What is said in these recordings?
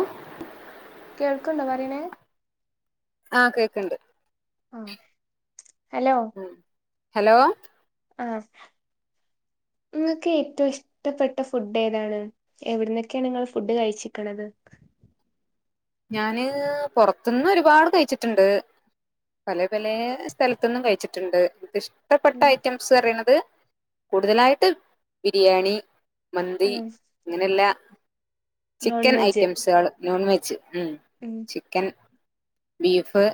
ആഹ് കേൾക്ക്ണ്ടോ പറിണ് ആഹ് കേക്ക്ണ്ട് ആഹ് ഹലോ ഉം ഹലോ ആഹ് ഇങ്ങക്ക് ഏറ്റു ഇഷ്ടപ്പെട്ട ഫുഡ് ഏതാണ് എവിടുന്നൊക്കെണ് നിങ്ങൾ ഫുഡ് കഴിച്ചിക്ക്ണത് ഞാന് പൊർത്ത്ന്ന് ഒരുപാട് കഴിച്ചിട്ട്ണ്ട് പല പലേ സ്ഥലത്ത്ന്നും കഴിച്ചിട്ട്ണ്ട് ഇന്കിഷ് ഇഷ്ടപ്പെട്ട ഉം ഐറ്റംസ് റിണത് കൂടുതലായിട്ട് ബിരിയാണി മന്തി ഉം ങ്ങനെല്ലാ നോൺ ചിക്കൻ വെജ് ഐറ്റംസാള് നോൺ വെജ് ഉം ചിക്കൻ ബീഫ്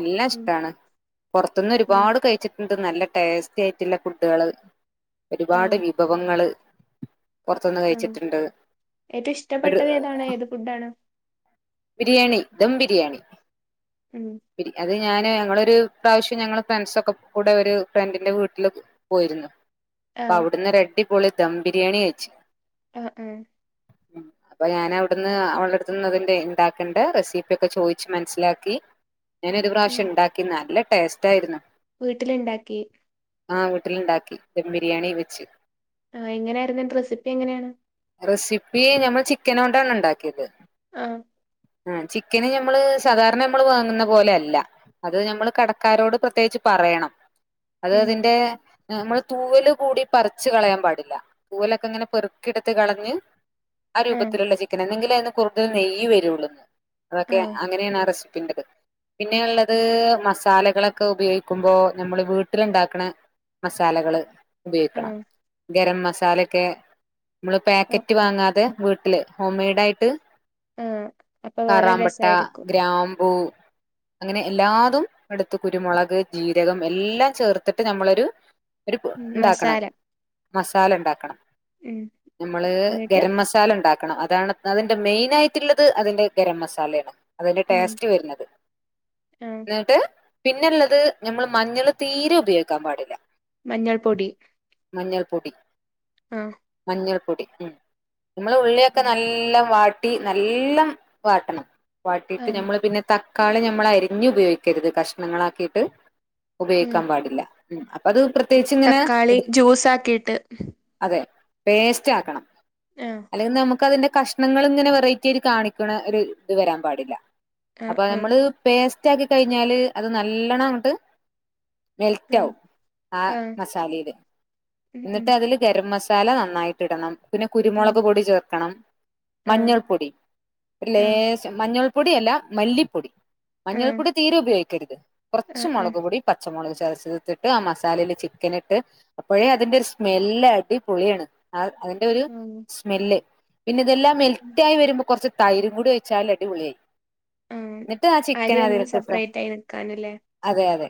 എല്ലാം ഉം ഇഷ്ടാണ് പൊർത്ത്ന്ന് ഉം ഒരുപാട് കഴ്ച്ചിട്ട്ണ്ട് നല്ല ടേസ്റ്റിആയിട്ടുള്ള ഫുഡാള് ഒരുപാട് ആഹ് വിഭവങ്ങള് പൊറത്ത്ന്ന് ആഹ് കഴിച്ചിട്ട്ണ്ട് ഏറ്റവും ഒര് ഇഷ്ടപ്പെട്ടത് ഏതാണ് ആഹ് ഏത് ഫുഡാണ് ബിരിയാണി ദം ബിരിയാണി ഉം പിന്നെ അത് ഞാന് ഞങ്ങളൊരു പ്രാവശ്യം ഞങ്ങള് ഫ്രണ്ട്സൊക്കെ കൂടെ ഒരു ഫ്രണ്ടിന്റെ വീട്ടിലൊക്കെ പോയ്രുന്നു അപ്പ ആഹ് വിടുന്നൊരു അടി പൊളി ദം ബിരിയാണി കയ്ച്ച് ആഹ് ആഹ് ഉം അപ്പൊ ഞാനവിട്ന്ന് അവളട്ത്ത് ന്നതിന്റെ ഇണ്ടക്ക് കണ്ട് റെസിപ്പിയൊക്കെ ചോയ്ച്ച് മനസ്സിലാക്കി ഞാാനൊരു പ്രാവശ്യം ഉണ്ടാക്കി നല്ല ടേസ്റ്റായിരുന്നു വീട്ട്ല്ണ്ടാക്കി ആഹ് വീട്ട്ല്ണ്ടാക്കി ദം ബിരിയാണി വെച്ച് ആഹ് എങ്ങനായിരുന്നു അയ്‌ന്റെ റെസിപ്പി എങ്ങനാണ് റെസിപ്പി ഞമ്മൾ ചിക്കനോണ്ടാണ് ണ്ടാക്കിയത് ആഹ് ആഹ് ചിക്കന് ഞമ്മള് സാധാരണ നമ്മള് വാങ്ങുന്ന പോലെ അല്ല അത് ഞമ്മൾ കടക്കാരോട് പ്രത്യേകിച്ച് പറയണം അത് ഉം അതിന്റെ നമ്മള് തൂവല് കൂടി പറിച്ച് കളയാൻ പാടില്ല തൂവലൊക്കെ ഇങ്ങനെ പെറുക്കിട്ത്ത് കളഞ്ഞ് ആഹ് രൂപത്തിലുള്ള ചിക്കന എന്നെങ്കിലെ അയിന് കൂടുതൽ നെയ്യ് വരുള്ളൂന്ന് അതൊക്കെ ആഹ് അങ്ങനെണ് ആഹ് റെസിപ്പിന്റെത് പിന്നെള്ളത് മസാലകളൊക്കെ ഉപെയ്ക്കുമ്പോ നമ്മള് വീട്ടിലുണ്ടാക്ക്ണത് മസാലകള് ഉപയോയ്ക്കണം ആഹ് ഗരം മസാലിയൊക്കെ നമ്മള് പാക്കറ്റ് ആഹ് വാങ്ങാതെ വീട്ട് വീട്ടില് ഹോം മെയ്ഡ് ആയ്ട്ട് ആഹ് അപ്പൊ വേറെ കറാമ്പട്ട രസായിരിക്കും ഗ്രാമ്പൂ അങ്ങനെ എല്ലാതും എടുത്ത് കുരുമുളക്, ജീരകം, എല്ലാം ചേർത്തിട്ട്. നമ്മളൊരു ഒരു ഉം ഉണ്ടാക്കണം. മസാല മസാല ഉണ്ടാക്കണം. ഉം നമ്മള് എന്നിട്ട് ഗരം മസ മസാല ഉണ്ടാക്കണം. അതാണ് അതിന്റെ മെയിൻ ആയിട്ടുള്ളത്. അതിന്റെ ഗരം മസാലയാണ്. അതിന്റെ ഉം ടേസ്റ്റ് വരുന്നത്. ആഹ് എന്നിട്ട് പിന്നള്ളത് നമ്മൾ മഞ്ഞള് തീരെ ഉപയോഗിക്കാൻ പാടില്ല. മഞ്ഞൾ പൊടി മഞ്ഞൾ പൊടി ആ മഞ്ഞൾപ്പൊടി ഉം നമ്മൾ ഉള്ളിയൊക്കെ ഉം നല്ലം വാട്ടി. നല്ലം വാട്ടണം. വാട്ടിയിട്ട് ആഹ് നമ്മള് പിന്നെ ത തക്കാളി നമ്മൾ അരിഞ്ഞ് ഉപയോഗിക്കരുത്. കഷ്ണങ്ങളാക്കിയിട്ട് ഉം ഉപയോഗിക്കാൻ പാടില്ല. ഉം അപ്പ അത് പ്രത്യേകിച്ച് ഇങ്ങനെ തക്കാളി എടുത്ത്. ജ്യൂസ് ആക്കിയിട്ട് അതെ പേസ്റ്റ് ആക്കണം. ആഹ് അല്ലെങ്കിൽ നമുക്ക് അതിന്റെ കഷ്ണങ്ങൾ ഇങ്ങനെ വെറൈറ്റി. പറ്റിയത് കാണിക്കണ ഒരു ഇത് വരാൻ പാടില്ല. ആഹ് അപ്പൊ ആഹ് നമ്മള് പേസ്റ്റ് ആക്കി കഴിഞ്ഞാല് അത് നല്ലോണം അങ്ങോട്ട്. മെൽറ്റ് ആഹ് ആവും. ആ ആഹ് മസാലയില്. ഉം ഉം എന്നിട്ട് അതില് ഗരം മസാല നന്നായിട്ട് ഇടണം. പിന്നെ ഉം കുരുമുളക് പൊടി ചേർക്കണം. ആഹ് മഞ്ഞൾ പൊടി ഒരു ആഹ് ലേശം. മഞ്ഞൾപ്പൊടി അല്ല മല്ലിപ്പൊടി. ആഹ് മഞ്ഞൾപ്പൊടി. തീരെ ഉപയോഗിക്കരുത്. കുറച്ച് ആഹ് ആഹ് മുളക്പൊടി. പച്ചമുളക് ചതച്ചെടുത്തിട്ട് ആ മസാലയില് ചിക്കൻ ഇട്ട്. അപ്പഴേ അതിന്റെ ഒരു സ്മെല്ല് അടി പൊളിയാണ്. ആ അതിന്റെ ഒരു ആഹ് സ്മെല്ല്. പിന്നെ ഇതെല്ലാം ഉം മെൽറ്റായി വരുമ്പോ കുറച്ച് തൈരും കൂടി ഒഴിച്ചാൽ അടിപൊളിയായി. ആഹ് എന്നിട്ട് ആ അരി ഒന്ന് ചിക്കനതിലിട്ട് ഫ്രൈ സെപ്പറേറ്റ് ആയി നിക്കാനല്ലേ അതെ അതെ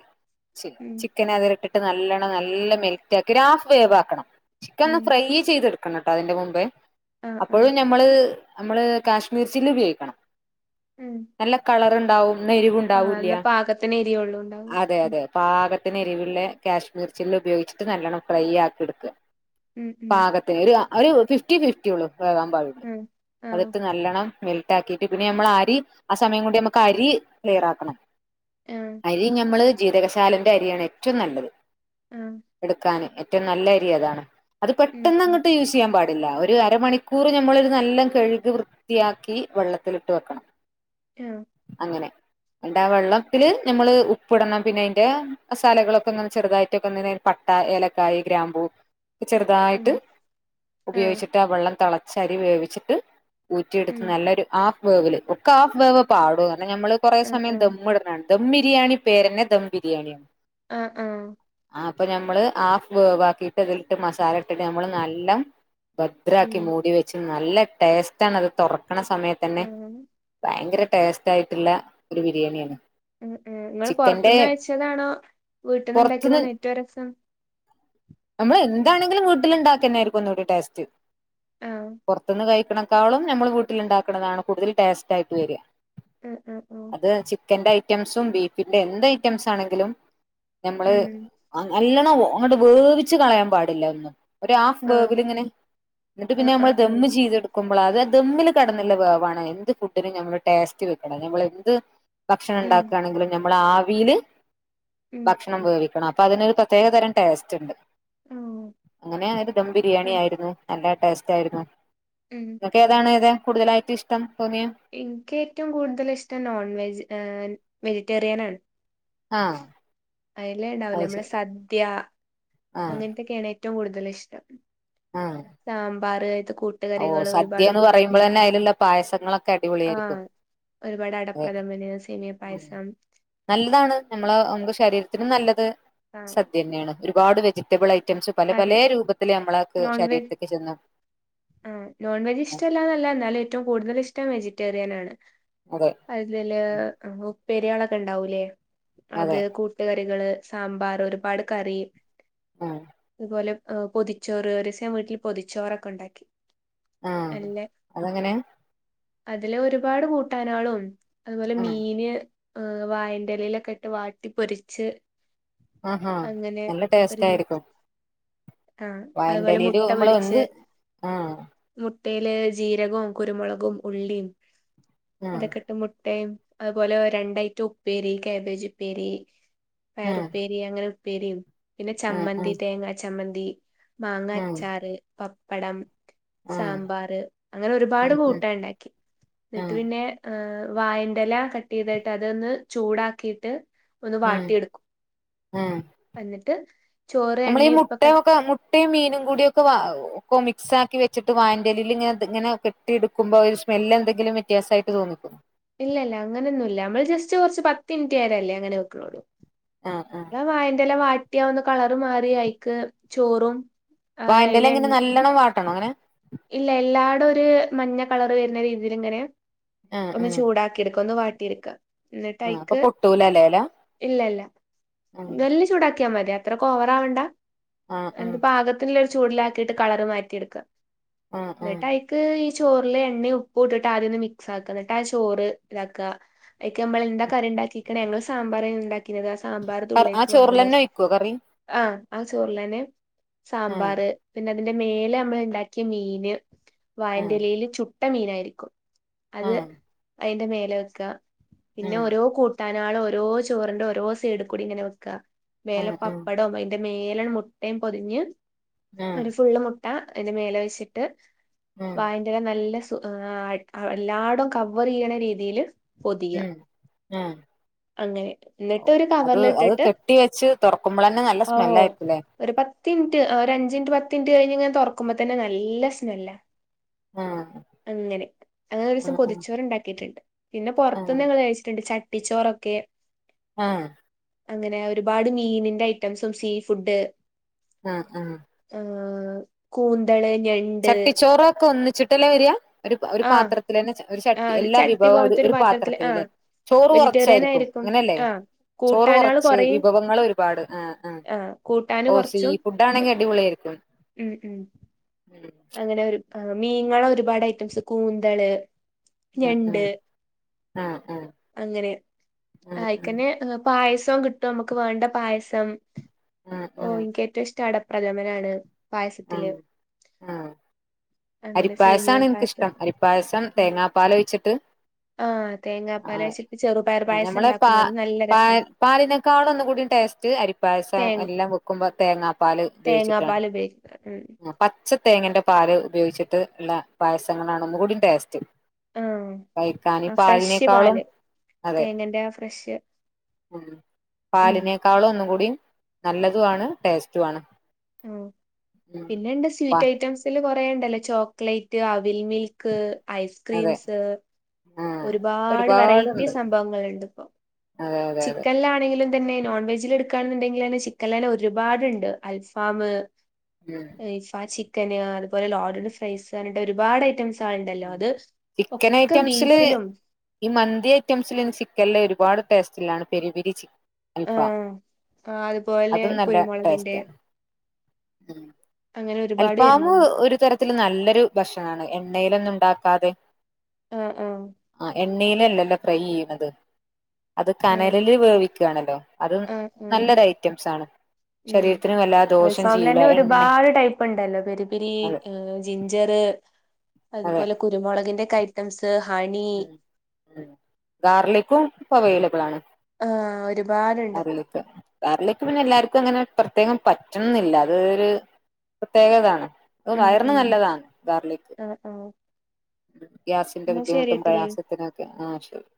ചി ഉം ചിക്കൻ അതിലിട്ടിട്ട് നല്ലോണം നല്ല മെൽറ്റാക്കി ഹാഫ് വേവ് ആക്കണം. ചിക്കൻ ഒന്ന് ഉം ഫ്രൈ ചെയ്തെടുക്കണം. കേട്ടോ അതിന്റെ മുമ്പേ. ആഹ് ആഹ് അപ്പോഴും ഞമ്മള്. നമ്മള് കാശ്മീർ ചില്ലി ഉപയോഗിക്കണം. ഉം നല്ല കളറുണ്ടാവും. എന്നാ എരിവ് ആഹ് ഉണ്ടാവൂഇല്ല. എന്നാ പാകത്തിന് എരിയൊള്ളൂ ഉണ്ടാവും അതെ അതെതെ. പാകത്തിന് എരിവില്ല കാശ്മീർ ചില്ലി ഉപയോഗിച്ചിട്ട് നല്ലവണ്ണം ഫ്രൈ ആക്കി എടുക്ക. ഉം ഉം പാകത്തിന് ഒരു ഒരു ഫിഫ്റ്റി ഫിഫ്റ്റി ഉള്ളു വേകാൻ പാടുള്ളൂ. ഉം ആഹ് അകത്ത് നല്ലണം മെൽ റ്റാക്കിട്ട് പിന്നെ നമ്മൾ അരി ആ സമയം കൊണ്ട് നമുക്ക് അരി ക്ലിയറാക്കണം. ആഹ് ആഹ് അരി ഞമ്മള് ജീരകശാലന്റെ അരിയാണ് ഏറ്റവും നല്ലത്. ആഹ് എടുക്കാൻ ഏറ്റവും നല്ല അരി അതാണ് അത് ഉം പെട്ടെന്ന് ഉം അങ്ങോട്ട് യൂസ് ചെയ്യാൻ പാടില്ല. ഒരു അരമണിക്കൂർ ഞമ്മളൊരു നല്ലം കഴുകി വൃ വൃത്തിയാക്കി വെള്ളത്തിലിട്ട് വെക്കണം. ആഹ് അങ്ങനെ എന്നിട്ടാ വെള്ളത്തില് നമ്മള് ഉപ്പ് ഇടണം പിന്നെ അതിന്റെ മസാലകളൊക്കെ നമ്മള് ചെറുതായിട്ടൊക്കെ പട്ട ഏലക്കായി ഗ്രാംമ്പൂ ഉം ചെറുതായിട്ട് ആഹ് ഉപയോഗിച്ചിട്ട്. ആ വെള്ളം തിള ച്ചരി വേവിച്ചിട്ട് ഊറ്റിയെടുത്ത്. ഉം നല്ലൊരു ഹാഫ് വേവില്. ഒക്കെ ഹാഫ് വേവ് പാടൂ. കാരണം നമ്മള് കുറേ ആഹ് സമയം ആഹ് ദമ്മിടനാണ് ദം ബിരിയാണി പേരന്നെ ദം ബിരിയാണിയാണ്. ആഹ് ആഹ് ആ അപ്പൊ നമ്മള് ഹാഫ് വേവാക്കീട്ട് അതിലിട്ട് മസാല ഇട്ടിട്ട് നമ്മള് നല്ലം. ഭദ്രാക്കി ഉം മൂടി വെച്ച് നല്ല ടേസ്റ്റ ആണ് അത് തുറ ക്ക്ണ സമയത്തെന്നെ ആഹ് ഭയങ്കര ടേസ്റ്റ് ആയിട്ടുള്ള ഒരു ബിരിയാണിയാണ് ഉം ഉം നിങ്ങൾ ചിക്കന്റെ പുറത്തുന്ന് കഴിച്ചതാണോ വീട്ടിന്ന് പുറത്തുന്ന് ഉണ്ടാക്കിയതാണോ ഏറ്റവും രസം നമ്മൾ എന്താണെങ്കിലും വീട്ടിൽ ഉണ്ടാക്കെന്നായിരിക്കും ഒന്നൂടെ ടേസ്റ്റ് ആഹ് പൊറ്ത്ത്ന്ന് കഴിക്ക്ണക്കാളും നമ്മൾ വീട്ടിലുണ്ടാക്ക്ണതാണ് കൂടുതൽ ടേസ്റ്റ് ആയിട്ട് വരാ ഉം ഉം ഉം അത് ചിക്കന്റെ ഐറ്റംസും ബീഫിന്റെ എന്ത് ഐറ്റംസ് ആണെങ്കിലും നമ്മള് ഉം നല്ലണം അങ്ങട്ട് വേവിച്ച് കളയാൻ പാടില്ല ഒന്നും ഒരു ഹാഫ് ആഹ് വേവില് ഇങ്ങനെ ഇന്നട്ട് പിന്നെ ആഹ് നമ്മള് ആഹ് ആഹ് ദമ്മ് ചെയ്തെടു ക്കുമ്പളാ അത് ദമ്മിൽ കെടന്നുള്ള വേവണം എന്ത് ഫുഡിനും ഞമ്മള് ടേസ്റ്റ് വെക്ക്ണ ഞമ്മൾ എന്ത് ഭക്ഷണം ഉം ഉണ്ടാക്കാണെങ്കിലും ഞമ്മള് ആവീല് ഉം ഭക്ഷണം വേവിക്കണം അപ്പൊ അതിനൊരു പ്രത്യേകതരം ടേസ്റ്റ്ണ്ട് ആഹ് അങ്ങനെ ഒരു ദം ബിരിയാണി ഉം ആയിരുന്ന് നല്ല ടേസ്റ്റ് ആയിരുന്ന് ഉം അൻക്കേതാണ് ഏതാ കൂടുതലായിട്ടിഷ്ടം തോന്നിയെ ഇൻക്ക് ഏറ്റവും കൂടുതൽ ഇഷ്ടം നോൺ വെജ് ഏഹ് വെജിറ്റേറിയൻ ആണ് ആഹ് അയില് ണ്ടാവൂലേ അത് നമ്മളെ ശരി സദ്യാ ആഹ് അങ്ങൻത്തൊക്കേണ് ഏറ്റവും കൂടുതൽ ഇഷ്ടം ആഹ് സാമ്പാറ് അയ്ത്തെ കൂ ഓഹ് സദ്യാന്ന് പറയുമ്പോളെന്നെ അയില്ള്ള പായസങ്ങളൊക്കെ അടിപൊളിയായിരിക്കും ആഹ് ഒരുപാട് അതെ അടപ്രദംമന് സേമിയ ഉം. പായസം നല്ലതാണ് നമ്മള നമുക്ക് ശരീരത്തിനും നല്ലത് ആഹ് സദ്യന്നേണ് ഒരുപാട് വെജിറ്റബിൾ ഐറ്റംസ് പല അതെ പലേ രൂപത്തില് നമ്മളക്ക് നോൺ വെജ് ശരീരത്ത്ക്ക് ചെന്നു ആഹ് നോൺ വെജ് ഇഷ്ടല്ലാന്നല്ല എന്നാലും ഏറ്റവും കൂടുതൽ ഇഷ്ടം വെജിറ്റേറിയൻ ആണ് അതെ അതില് ഉം. ഉപ്പേരിയാളൊക്കെ ഉണ്ടാവൂല്ലേ അത് അതെ കൂ ട്ടുകറികള് സാമ്പാർ ഒരുപാട് കറി ആഹ് അതുപോലെ പൊതിച്ചോറ് ഒരീസം ഞാ വീട്ടിൽ പൊതിച്ചോറൊക്കെ ഉണ്ടാക്കി ആഹ് അല്ലെ അതങ്ങനെ അതില് ഒരുപാട് കൂട്ടാനാളും അതുപോലെ ആഹ് മീന് ഏഹ് വാഴന്റെ ലീ ലൊക്കെ ഇട്ട് വാട്ടി പൊരിച്ച് ആഹാ അങ്ങനെ നല്ല ഒരു ടേസ്റ്റ് ആയിരിക്കും ആഹ് അതുപോലെ വായന്റെലീല് മുട്ട നമ്മള് പൊരിച്ച് എന്ത് ആഹ് മുട്ടയില് ജീരകവും കുരുമുളകും ഉള്ളിയും ആഹ് അതൊക്കെ ഇട്ട് മുട്ടയും അതുപോലെ രണ്ടയിറ്റം ഉപ്പേരി കാബേജ് ഉപ്പേരി ആഹ് പയറുപ്പേ രി അങ്ങനെ ഉപ്പേരീം പിന്നെ ആഹ് ചമ്മന്തി ആഹ് തേങ്ങ ചമ്മന്തി മാങ്ങ ആഹ് അച്ചാറ് പ പ്പടം ആഹ് സാമ്പാറ് അങ്ങനെ ഒരുപാട് ഉം കൂട്ടാന്ണ്ടാക്കി ഉം ന്നട്ട് ആഹ് പിന്നെ ആഹ് വായന്റെല കട്ട് ചെയ്തിട്ട് അതൊന്ന് ചൂടാക്കിയിട്ട് ഒന്ന് ഉം വാട്ടിയെടുക്കും ഉം എന്നിട്ട് ചോറ് എണ്ണീം ഉപ്പൊക്കെ മുട്ടീം മീനും കൂടിം ഒക്കെ വാ ഒക്ക മിക്സാക്കി വച്ചിട്ട് വാഴന്റെലീല്ങ്ങനെ ത് ഇങ്ങനെ കെ ട്ടിഎടുക്കുമ്പോ ഒരു സ്മെല്ല്‌ എന്തങ്കിലും വ്യത്യാസായിട്ട് തോന്നിക്കോ ഇല്ല ഇല്ല അങ്ങനെയൊന്നും ഇല്ല നമ്മൾ ജസ്റ്റ് കുറച്ച് പത്ത് മിനിറ്റ് നേരംല്ലേ അങ്ങനെ വെക്കണോള്ളൂ ആഹ് ആഹ് അതാ വായന്റെല വാട്ടിയാ ഒന്ന് കളർ മാറി അയിക്ക് ചോറും ആ വായന്റെ ല അയില എങ്ങനെ നല്ലണം വാട്ടണോ എങ്ങനെ ഇല്ല എല്ലാടൊര് മഞ്ഞ കളറ് വരുന്ന രീതിലിങ്ങനെ ആഹ് ഒന്ന് ആഹ് ചൂടാക്കിയെടുക്ക ഒന്ന് വാട്ടിയെടുക്ക ആഹ് അപ്പൊ എന്നിട്ടൈക്ക് പൊട്ടൂലല്ലേ എല ഇല്ല ഇല്ല ആഹ് [unintelligible] ചൂടാക്കി ക്കിയാമതി അത്രക്ക് ഓവറാവണ്ട ആഹ് ആഹ് എന്ത് പാകത്തിനുള്ള ഒരു ചൂടിലാക്കിയിട്ട് കളറ് മാറ്റി എടുക്ക ആഹ് ആഹ് എന്നിട്ട് അയിക്ക് ഈ ചോറില് എണ്ണയും ഉപ്പ് ഇട്ടിട്ട് ആദ്യംന്ന് മിക്സ് ആക്ക എന്നിട്ട് ആ ചോറ് ഇതാക്ക അയിക്ക് നമ്മള് എന്താ കറി ഉണ്ടാക്കിക്കണേ ഞങ്ങള് സാമ്പാറേന്നു ഉണ്ടാക്ക ക്കിത് ആ സാമ്പാർ കർ ആ ചോറിലന്നെ [unintelligible] ഒഴിക്കോ കറി ആഹ് ആ ചോറിലന്നെ ആഹ് സാമ്പാറ് പിന്നെ അതിന്റെ മേലെ നമ്മൾ ഇണ്ടാക്കിയ മീന് ആഹ് വായൻ്റെലേല് ചു ട്ട മീനായിരിക്കും അത് ആഹ് അതിന്റെ മേലെ വെക്ക പിന്നെ ആഹ് ഓരോ കൂട്ട തനാളും ഓരോ ചോറിന്റെ ഓരോ സൈഡികൂടി ഇങ്ങനെ വെക്കുക മേലെ ആഹ് പപ്പടം അതിൻ്റെ മേല അട് മുട്ടയും പൊതിഞ്ഞ് ആഹ് ഒരു ഫുള്ള് മുട്ട അതിന്റെ മേലെ വെച്ചിട്ട് ആഹ് ആഹ് വായൻ്റേലെ നല്ല സു ആഹ് എല്ലാടോം കവർയ്യണ രീതിയില് പൊതിയ ഉം ആഹ് അങ്ങനെ എന്നിട്ട് ഒരു അത് അത് കവറിലിട്ടിട്ട് കെട്ടി വെച്ച് തൊറക്കുമ്പോളന്നെ നല്ല ഓ സ്മെല്ലായിരിക്കൂല്ലേ ഒരു പത്തി മിനിറ്റ് ഒരു അഞ്ചിനിറ്റ് പത്ത് മിനിറ്റ് കഴിഞ്ഞിങ്ങനെ തൊറക്കുമ്പോ തന്നെ നല്ല സ്‌മെല്ലാ ആഹ് അങ്ങനെ അങ്ങനെ ഒരു ദിവസം ആഹ് ആഹ് പൊതിച്ചോറ് ഉണ്ടാക്കിട്ടുണ്ട് പിന്നെ പുറത്തുന്ന് ആഹ് ഞങ്ങള് കഴിച്ചിട്ടൊണ്ട് ചട്ടിച്ചോറൊക്കെ ആഹ് അങ്ങനെ ഒരുപാട് മീനിന്റെ ഐറ്റംസും സീ ഫുഡ് ആഹ് ആഹ് ആഹ് കൂന്തള് ഞണ്ട് ചട്ടി ചോറ ഒക്കെ ഒന്നിച്ചിട്ടല്ലേ വരിക ഒരു ഒരു ആഹ് പാത്രത്തില തന്നെ ഒരു ആഹ് ചട്ടി എല്ലാ ചട്ടി വിഭവവും ഒരു പോലത്തെ ഒരു പാത്രത്തില് ആഹ് പാത്രത്തിലല്ലേ ചോറ് വെജിറ്റേറിയൻ കൊറച്ചായിരിക്കും ആയിരിക്കും അങ്ങനെയല്ലേ ആഹ് ചോറ് കൂട്ടാനാള് കൊറച്ച് കൊറയും വിഭവങ്ങൾ ഒരുപാട് ആഹ് ആഹ് കൂട്ടാന് കൊറച്ചും ഇതാണെങ്കിൽ അടിപൊളിയാരിക്കും ഉം ഉം അങ്ങനെ ഒരു മീങ്ങളെ ഒരുപാട് ഐറ്റംസ് കൂന്തള് ഉം ഉം ഞണ്ട് ഉം ആഹ് ആഹ് അങ്ങനെ ആഹ് ആഹ് അയിക്കന്നെ ഹ് പായസോം കിട്ടും നമുക്ക് വേണ്ട പായസം ആഹ് ഓഹ് ആഹ് എനിക്കേറ്റവും ഇഷ്ടം അട പ്രഥമനാണ് പായസത്തില് ആഹ് ആഹ് അങ്ങനെ സേമിയ അരിപ്പായസാണ് പായസം എനിക്കിഷ്ടം അരിപ്പായസം ഉം തേങ്ങാപ്പാലൊഴിച്ചിട്ട് ആഹ് തേങ്ങാപ്പാല് ആഹ് വെച്ചിട്ട് ചെറുപയർ പായസം ഞമ്മളെ പാ ഇണ്ടാക്കും അത് നല്ല പാ രസാ പാലിനേക്കാളൊന്നുകൂടി ടേസ് റ്റ് അരിപ്പായസം തേ എല്ലാം വെക്കുമ്പോ തേങ്ങാപ്പാൽ ഉപയോഗിച്ചിട്ടാണ് തേങ്ങാപ്പാല് ഉപയോഗിക്കും ഉം ആഹ് പച്ച തേങ്ങന്റെ പാല് ഉപയോഗിച്ചിട്ട്ള്ള പായസങ്ങളാണ് ഒന്നു കൂടി ടേസ്റ്റ് ആഹ് ആ [unintelligible] ഫ്രഷ് പാലിനേക്കാളും പാല് അതെ തേങ്ങന്റെ ആ ഫ്രഷ് ഉം പാലിനേക്കാളും ഒന്നും കൂടി നല്ലതുവാണ് ടേസ്റ്റുവാണ് ആഹ് പിന്നെണ്ട് സ്വീറ്റ് ഐറ്റംസിൽ കൊറേണ്ടല്ലേ ചോക്ലേറ്റ് അവിൽ മിൽ ക്ക് ഉം അതെ ഐസ്ക്രീംസ് ആഹ് ഒരുപാട് വെറൈറ്റി ഒരുപാടുണ്ട് സംഭവങ്ങളുണ്ട് ഇപ്പോ അതെ അതെ അതെ ചിക്കനിലാണെങ്കിലും തന്നെ നോൺ വെജിൽ എടുക്കാണന്നുണ്ടെങ്കിലന്നെ ചിക്കൻലന്നെ ഒരുപാടുണ്ട് അൽഫാമ് ഉം [unintelligible] ചിക്കന് അതുപോലെ ലോഡഡ് ഫ്രൈസ്അനട്ട് ഒരുപാട് ഐറ്റംസ് [unintelligible] ണ്ടല്ലോ ഉം അത് ചിക്കൻ ഒക്കെ ഐറ്റംസില് ബീഫിലും ഈ മന്തി ഐറ്റംസില് ഇന്ന് ചിക്കൻലെ ഒരുപാട് ടേസ്റ്റല്ലാണ് പെരിപെരി ചിക് അൽഫഹം ആഹ് ആഹ് അതുപോലെ അതും നല്ല കുരുമുളകിന്റെ ടേസ്റ്റാണ്. അങ്ങനെ ഒരുപാട് അല്ഫാമ് വരുന്നുണ്ട് ഒരു തരത്തില് നല്ലൊരു ഭക്ഷണാണ് എണ്ണേലൊന്നുണ്ടാക്കാതെ. ആഹ് ആഹ് ആ എണ്ണയിലല്ലല്ലോ ഫ്രൈ യ്യീണത്. അത് ആഹ് കനലില് വേവിക്കാണലോ അതും ആഹ് ആഹ് നല്ലൊരു ഐറ്റംസാണ്. ഉം ശരീരത്തിനു വല്ലാതെ ദോഷം ചിയ്യൂല എണ്ണെ പ്പണ്ടല്ലോ പെരിപരി ജിഞ്ചറ് അതെ അതുപോലെ കുരുമുളകിന്റെ കൈ തംസ് ഹണി- ഉം ഗാർലിക്കും പ്പൊ അവൈലബിളാണ്. ആഹ് ഒരുപാട്ണ്ട്. ഗാർലിക്ക് പിന്നെ എല്ലാർക്കുങ്ങനെ പ്രത്യേകം പറ്റുന്നില്ല അത് ഒരു പ്രത്യേകതാണ്. അത് ം വയറിന് ് നല്ലതാണ് ഗാർലിക് ആ ആഹ് ഗ്യാസിന്റെ ബുദ്ധിമുട്ടും ശരിട്ടില്ലേ പ്രയാസത്തിനൊക്കെ ആഹ് ശരി.